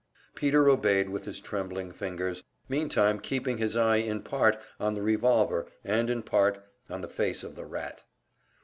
Peter obeyed with his trembling fingers, meantime keeping his eye in part on the revolver and in part on the face of the rat.